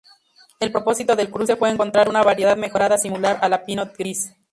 El propósito del cruce fue encontrar una variedad mejorada similar a la pinot gris.